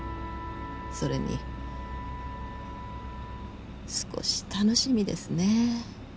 それに少し楽しみですねえ